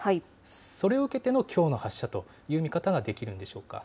それを受けてのきょうの発射という見方ができるんでしょうか。